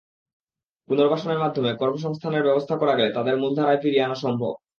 পুনর্বাসনের মাধ্যমে কর্মসংস্থানের ব্যবস্থা করা গেলে তাঁদের মূলধারায় ফিরিয়ে আনা সম্ভব।